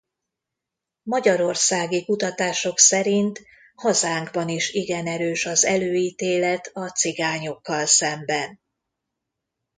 Magyarországi kutatások szerint hazánkban is igen erős az előítélet a cigányokkal szemben.